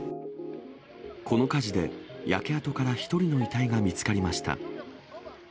この火事で、焼け跡から１人の遺体が見つかりました。